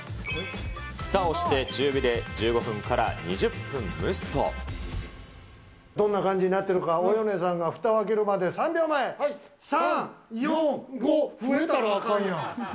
ふたをして中火で１５分からどんな感じになっているか、およねさんがふたを開けるまで３秒前、３、４、５、増えたらあかんやん。